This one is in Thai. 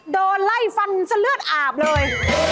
โดนไล่ฟันซะเลือดอาบเลย